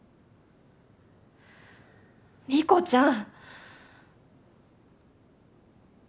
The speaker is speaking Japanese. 理子ちゃん。